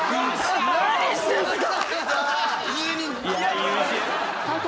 何してんすか！